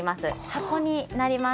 箱になります。